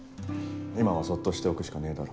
今はそっとしておくしかねえだろ。